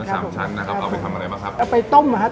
สามชั้นนะครับเอาไปทำอะไรบ้างครับเอาไปต้มนะครับ